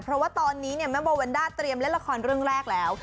เพราะว่าตอนนี้เนี่ยแม่โบวันด้าเตรียมเล่นละครเรื่องแรกแล้ว